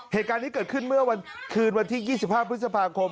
เหตุการณ์นี้เกิดขึ้นเมื่อวันคืน๒๕พฤษภาคมครับ